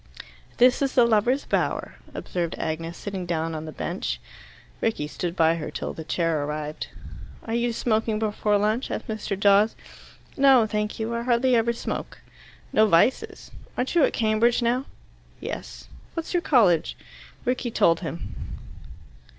"This is the lovers' bower," observed Agnes, sitting down on the bench. Rickie stood by her till the chair arrived. "Are you smoking before lunch?" asked Mr. Dawes. "No, thank you. I hardly ever smoke." "No vices. Aren't you at Cambridge now?" "Yes." "What's your college?" Rickie told him.